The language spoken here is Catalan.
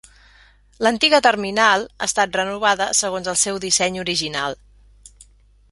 L'antiga terminal ha estat renovada segons el seu disseny original.